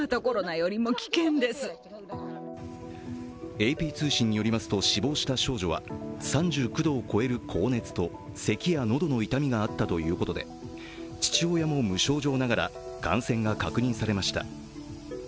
ＡＰ通信によりますと、死亡した少女は３９度を超える高熱と、せきや喉の痛みがあったということで父親も無症状ながら感染が確認されました。